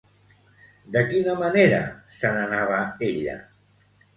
De quina manera se n'anava ella?